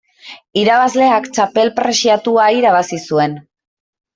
Irabazleak txapel preziatua irabazi zuen.